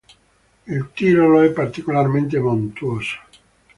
Il Tirolo è particolarmente montuoso.